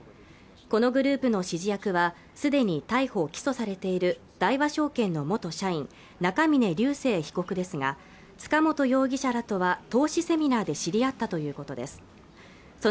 このグループの指示役はすでに逮捕起訴されている大和証券の元社員中峯竜晟被告ですが塚本容疑者らとは投資セミナーで知り合ったということです